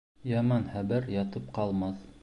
Яман хәбәр ятып ҡалмаҫ.